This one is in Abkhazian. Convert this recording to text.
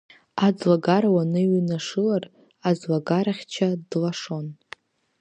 Аӡлагара уныҩнашылар, аӡлагарахьча длашон.